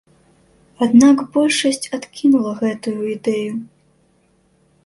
Аднак большасць адкінула гэтую ідэю.